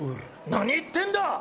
何言ってんだ！